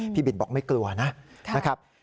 พี่บินบอกไม่กลัวนะ